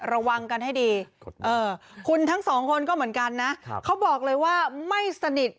ระวังกันให้ดีคุณทั้งสองคนก็เหมือนกันนะเขาบอกเลยว่าไม่สนิท